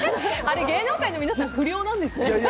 芸能界の皆さん不良なんですね。